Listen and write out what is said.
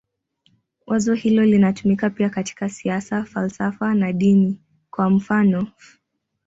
Wazo hilo linatumika pia katika siasa, falsafa na dini, kwa mfanof.